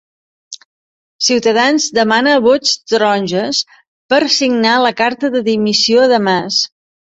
C’s demana vots ‘taronges’ per “signar la carta de dimissió de Mas”